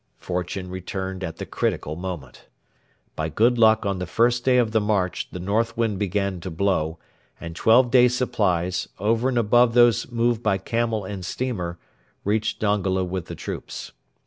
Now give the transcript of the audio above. Fortune returned at the critical moment. By good luck on the first day of the march the north wind began to blow, and twelve days' supplies, over and above those moved by camel and steamer, reached Dongola with the troops.